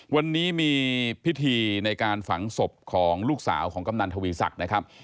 วันนี้มีพิธีในการฝังศพของลูกสาวของกำนันทวีศักดิ์นะครับ